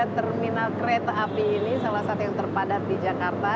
terminal kereta api ini salah satu yang terpadat di jakarta